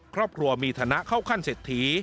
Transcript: ครอบครัวมีฐานะเข้าขั้นเศรษฐี